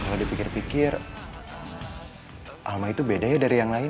kalau dipikir pikir alma itu beda ya dari yang lain